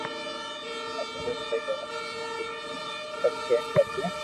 سب سھي ھوئي ھين مالڪ بي سب کير ڪرئي